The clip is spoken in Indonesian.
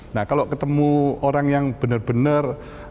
nah kalau ketemu orang yang benar benar